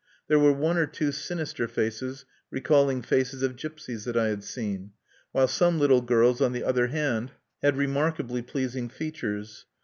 There were one or two sinister faces, recalling faces of gypsies that I had seen; while some little girls, on the other hand, had remarkably pleasing features.